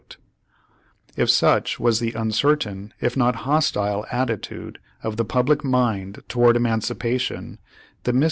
If such was the uncertain if not hostile attitude of the public mind toward emancipation, the mys ^ The American Conflict.